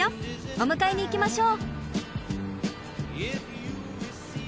お迎えに行きましょう！